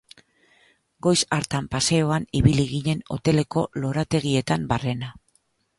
Goiz hartan paseoan ibili ginen hoteleko lorategietan barrena.